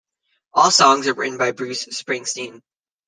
All songs are written by Bruce Springsteen.